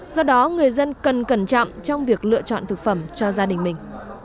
do đó người dân cần cẩn trọng trong việc lựa chọn thực phẩm cho gia đình mình